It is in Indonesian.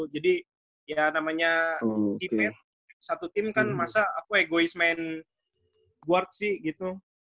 jadi ya namanya satu tim kan masa aku egois main guard sih gitu